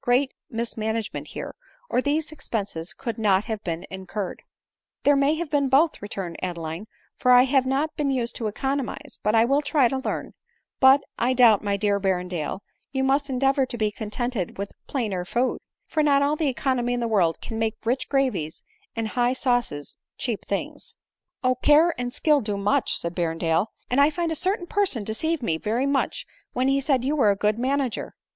great mismanagement here, or these expenses could not have been incurred," " There may have been both," returned Adeline, " for I have not been used to economize, but I will try to learn ; but, I doubt, my dear Berrendale, you must endeavor to be contented with plainer food ; for not all the econ omy in the world can make rich gravies and high sauces cheap things." " Oh ! care and skill can do much," said Berrendale ;—" and I find a certain person deceived me very much when he said you were a good manager."